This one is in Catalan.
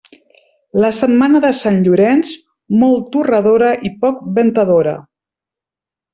La setmana de Sant Llorenç, molt torradora i poc ventadora.